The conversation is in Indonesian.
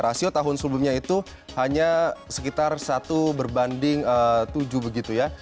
rasio tahun sebelumnya itu hanya sekitar satu berbanding tujuh begitu ya